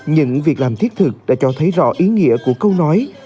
những việc làm thiết thực đã cho thấy rõ ý nghĩa của câu nói